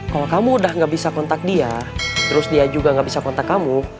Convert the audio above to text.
kalau kamu udah gak bisa kontak dia terus dia juga nggak bisa kontak kamu